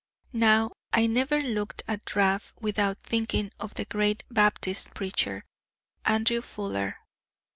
Now, I never looked at Rab without thinking of the great Baptist preacher, Andrew Fuller.